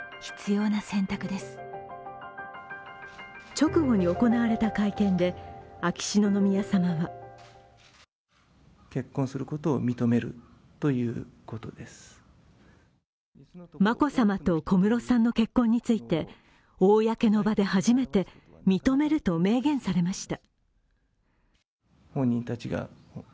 直後に行われた会見で秋篠宮さまは眞子さまと小室さんの結婚について公の場で初めて認めると明言されました。